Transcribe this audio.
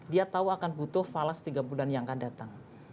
dia tahu akan butuh falas tiga bulan yang akan datang